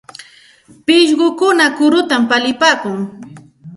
Pishqukuna kurutam palipaakun.